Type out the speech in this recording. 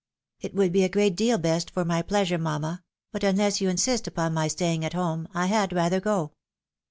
" It would be a great deal best for my pleasure, mamma ; but, unless you insist upon my staying at home, I had rather go."